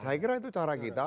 saya kira itu cara kita